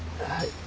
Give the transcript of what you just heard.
はい。